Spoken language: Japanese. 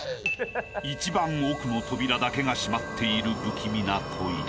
［一番奥の扉だけが閉まっている不気味なトイレ］